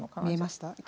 見えました？